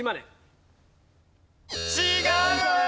違う！